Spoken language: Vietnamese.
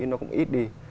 nó cũng ít đi